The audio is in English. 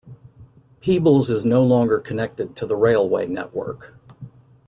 Peebles is no longer connected to the railway network.